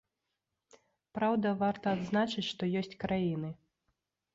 Праўда, варта адзначыць, што ёсць краіны.